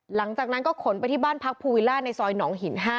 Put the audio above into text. หลังจากนั้นก็ขนไปที่บ้านพักภูวิลล่าในซอยหนองหิน๕